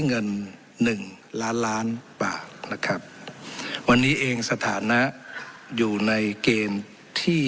เงินหนึ่งล้านล้านบาทนะครับวันนี้เองสถานะอยู่ในเกณฑ์ที่